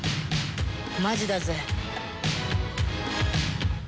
「マジだぜ」